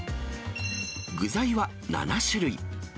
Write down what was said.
具材は７種類。